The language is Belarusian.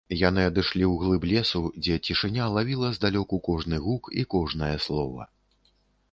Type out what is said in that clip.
Яны адышлі ў глыб лесу, дзе цішыня лавіла здалёку кожны гук і кожнае слова.